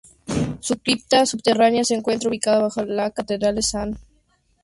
Su cripta subterránea se encuentra ubicada bajo la Catedral de San Venceslao en Olomouc.